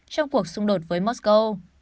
trong cuộc xung đột với moscow